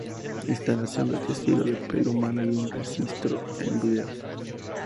Instalación de tejido de pelo humano y un registro en video.